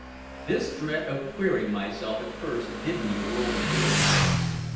This dread of "queering" myself at first did me a world of good.